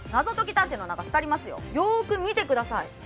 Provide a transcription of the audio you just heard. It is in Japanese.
謎とき探偵の名がすたりますよよく見てください